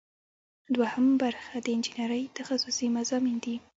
دوهم برخه د انجنیری تخصصي مضامین دي.